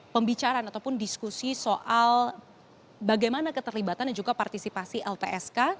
pembicaraan ataupun diskusi soal bagaimana keterlibatan dan juga partisipasi lpsk